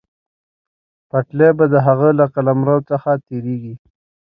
پټلۍ به د هغه له قلمرو څخه تېرېږي.